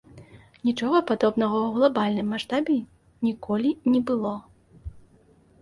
Нічога падобнага ў глабальным маштабе ніколі не было.